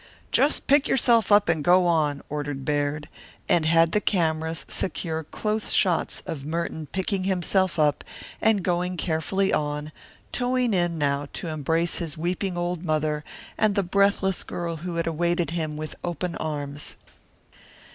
"Just pick yourself up and go on," ordered Baird, and had the cameras secure close shots of Merton picking himself up and going carefully on, toeing in now, to embrace his weeping old mother and the breathless girl who had awaited him with open arms.